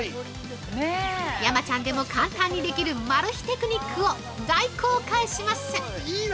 山ちゃんでも簡単にできるマル秘テクニックを大公開します。